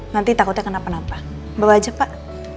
nanti takutnya kenapa napa bawa aja pak